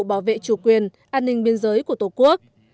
bảo vệ chủ quyền an ninh biên giới của tổ quốc